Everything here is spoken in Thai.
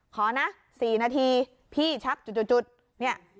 ขอนะ๔นาทีพี่ชักจุดเนี่ย